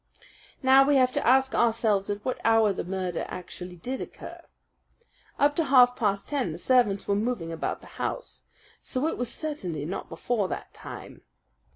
"Now we have to ask ourselves at what hour the murder actually did occur. Up to half past ten the servants were moving about the house; so it was certainly not before that time.